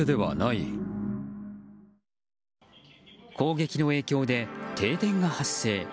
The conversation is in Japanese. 攻撃の影響で停電が発生。